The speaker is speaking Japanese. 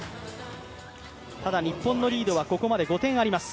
ただ、日本のリードはここまで５点あります。